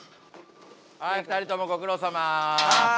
はい２人ともごくろうさま。